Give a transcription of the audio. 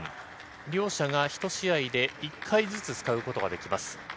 両者が１試合で１回ずつ使うことができます。